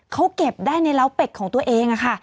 เขาเก็บได้ในเล้าเป็กของตัวเอง